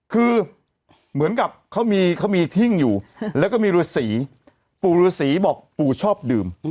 คือเหมือนกับเขามีทิ่งอยู่แล้วก็มีฤษีปู่ฤษีบอกปู่ชอบดื่ม